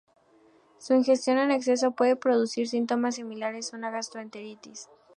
Su ingestión en exceso puede producir síntomas similares a una gastroenteritis.